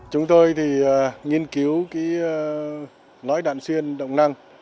chúng tôi thì nghiên cứu cái lõi đạn xuyên động năng